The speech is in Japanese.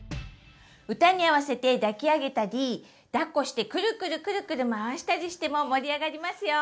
歌に合わせて抱き上げたりだっこしてくるくるくるくる回したりしても盛り上がりますよ！